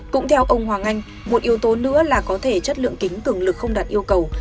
cũng theo ông hoàng anh một yếu tố nữa là có thể chất lượng kính cường lực không đạt yêu cầu